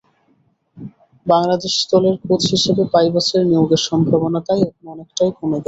বাংলাদেশ দলের কোচ হিসেবে পাইবাসের নিয়োগের সম্ভাবনা তাই এখন অনেকটাই কমে গেছে।